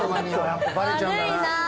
やっぱバレちゃうんだな。